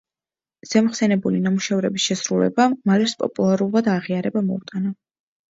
ზემოხსენებული ნამუშევრების შესრულებამ მალერს პოპულარობა და აღიარება მოუტანა.